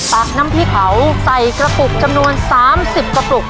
ตักน้ำพริกเผาใส่กระปุกจำนวน๓๐กระปุก